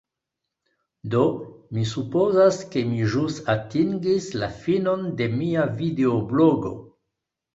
Do, mi supozas ke mi ĵus atingis la finon de mia videoblogo.